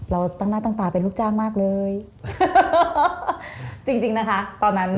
เราตั้งหน้าตั้งตาเป็นลูกจ้างมากเลยจริงจริงนะคะตอนนั้น